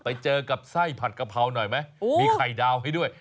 ไปเจอกับไส้ผัดกะเพราหน่อยไหมมีไข่ดาวให้ด้วย